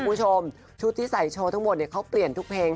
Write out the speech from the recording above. คุณผู้ชมชุดที่ใส่โชว์ทั้งหมดเขาเปลี่ยนทุกเพลง